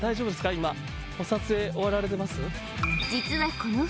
今もう撮影終わられてます？